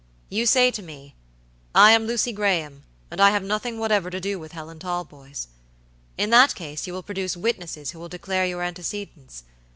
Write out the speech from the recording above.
You say to me, 'I am Lucy Graham and I have nothing whatever to do with Helen Talboys.' In that case you will produce witnesses who will declare your antecedents.